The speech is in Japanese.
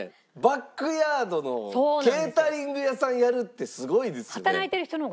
バックヤードのケータリング屋さんやるってすごいですよね。